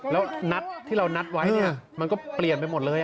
แล้วที่เรานัดไว้มันก็เปลี่ยนไปหมดเลย